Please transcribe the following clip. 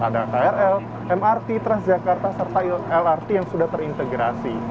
ada krl mrt transjakarta serta lrt yang sudah terintegrasi